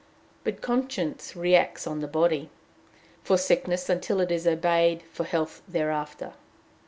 But conscience reacts on the body for sickness until it is obeyed, for health thereafter.